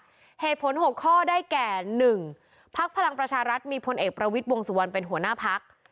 สร้างชาติเหตุผลหกข้อได้แก่หนึ่งภักดิ์พลังประชารัฐมีพลเอกประวิดบวงสุวรรค์เป็นหัวหน้าภักดิ์